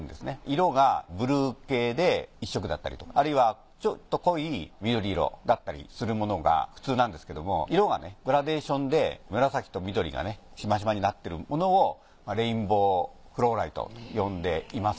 色がブルー系で一色だったりとかあるいはちょっと濃い緑色だったりするものが普通なんですけども色がグラデーションで紫と緑がシマシマになってるものをレインボーフローライト呼んでいます。